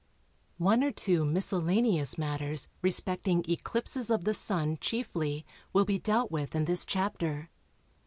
One or two miscellaneous matters respecting eclipses of the Sun (chiefly) will be dealt with in this chapter.